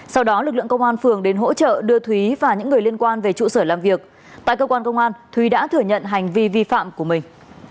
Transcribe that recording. sau đó lực lượng công an phường đến hỗ trợ đưa thúy và những người liên quan về trụ sở làm việc tại cơ quan công an thúy đã thừa nhận hành vi vi phạm của mình